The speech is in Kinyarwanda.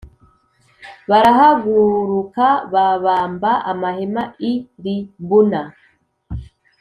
Barahahaguruka babamba amahema i libuna